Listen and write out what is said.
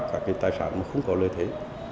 các cái tài sản nó không có lợi thế